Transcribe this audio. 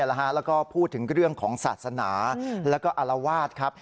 แล้วก็พูดถึงเรื่องของศาสนาแล้วก็อารวาสครับ